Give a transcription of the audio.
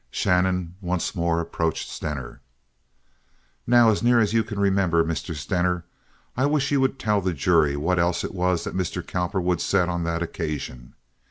Shannon once more approached Stener. "Now, as near as you can remember, Mr. Stener, I wish you would tell the jury what else it was that Mr. Cowperwood said on that occasion.